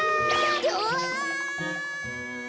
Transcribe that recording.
うわ！